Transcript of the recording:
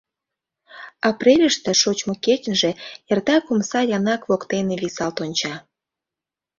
Апрельыште, шочмо кечынже, эртак омса янак воктене висалт онча.